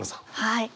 はい。